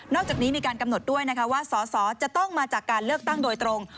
จากนี้มีการกำหนดด้วยนะคะว่าสอสอจะต้องมาจากการเลือกตั้งโดยตรง